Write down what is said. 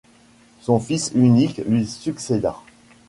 Son fils unique lui succéda.